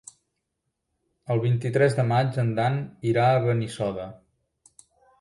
El vint-i-tres de maig en Dan irà a Benissoda.